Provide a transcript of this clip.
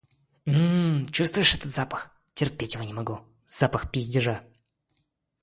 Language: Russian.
М-м-м, чувствуешь этот запах? Терпеть его не могу. Запах пиздежа.